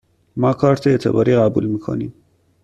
ما کارت اعتباری قبول می کنیم.